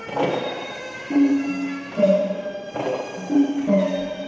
สวัสดีครับทุกคน